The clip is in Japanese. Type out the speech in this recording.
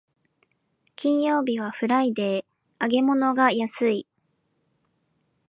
金曜日はフライデー、揚げ物が安い